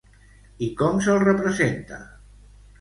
I com se'l representa?